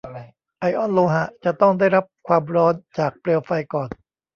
ไอออนโลหะจะต้องได้รับความร้อนจากเปลวไฟก่อน